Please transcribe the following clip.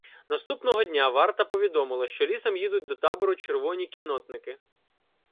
Наступного дня варта повідомила, що лісом їдуть до табору червоні кіннотники.